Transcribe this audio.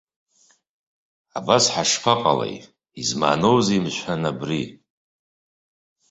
Абас ҳашԥаҟалеи, измааноузеи, мшәан, абри?